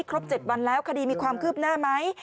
ครบ๗วันแล้วคดีมีความคืบหน้าไหม